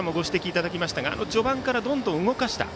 序盤からどんどん動かした。